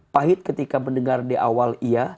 pahit ketika mendengar di awal iya